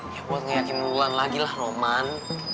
ya buat ngeyakin wulan lagi lah roman